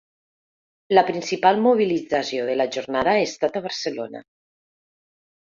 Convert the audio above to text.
La principal mobilització de la jornada ha estat a Barcelona.